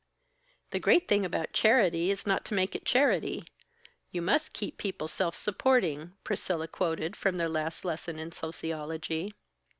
"The great thing about charity is not to make it charity. You must keep people self supporting," Priscilla quoted from their last lesson in sociology.